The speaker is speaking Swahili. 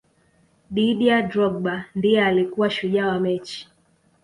didier drogba ndiye alikuwa shujaa wa mechi